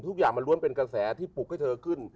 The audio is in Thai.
ทุกอย่างมันล้วนเป็นกระแสที่ปลุกให้เธอขึ้น